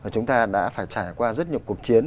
chúng ta đã phải trải qua rất nhiều cuộc chiến